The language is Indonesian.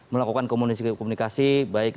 melakukan komunikasi baik